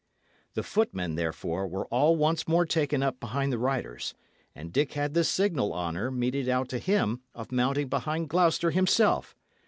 The footmen, therefore, were all once more taken up behind the riders, and Dick had the signal honour meted out to him of mounting behind Gloucester himself.